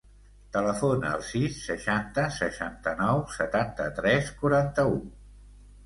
Telefona al sis, seixanta, seixanta-nou, setanta-tres, quaranta-u.